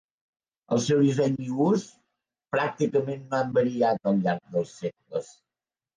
El seu disseny i ús, pràcticament no han variat al llarg dels segles.